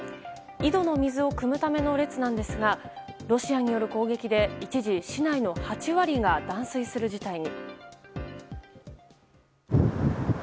井戸の水をくむための列なんですがロシアによる攻撃で一時、市内の８割が断水する事態に。